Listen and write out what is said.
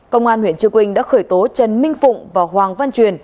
công an huyện trư quynh đã khởi tố trần minh phụng và hoàng văn truyền